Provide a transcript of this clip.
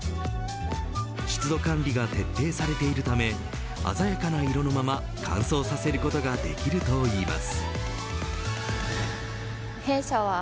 湿度管理が徹底されているため鮮やかな色のまま乾燥させることができるといいます。